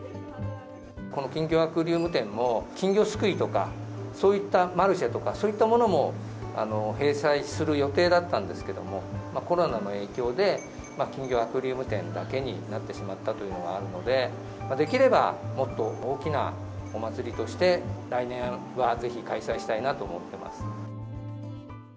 この金魚アクアリウム展も、金魚すくいとか、そういったマルシェとか、そういったものも併催する予定だったんですけれども、コロナの影響で、金魚アクアリウム展だけになってしまったというのがあるので、できればもっと大きなお祭りとして、来年はぜひ開催したいなと思ってます。